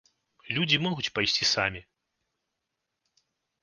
Людзі могуць пайсці самі.